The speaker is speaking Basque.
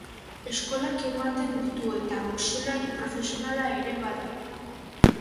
Eskolak ematen ditu eta boxeolari profesionala ere bada.